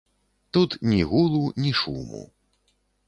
Тут ні гулу, ні шуму.